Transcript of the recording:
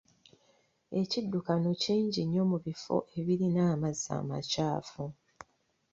Ekiddukano kingi nnyo mu bifo ebirina amazzi amakyafu.